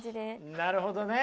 なるほどね。